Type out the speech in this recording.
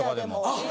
あっ。